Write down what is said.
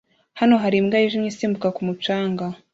Hano hari imbwa yijimye isimbuka ku mucanga